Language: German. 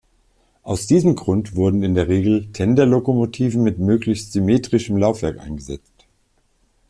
Aus diesem Grund wurden in der Regel Tenderlokomotiven mit möglichst symmetrischem Laufwerk eingesetzt.